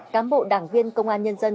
cám bộ đảng viên công an nhân dân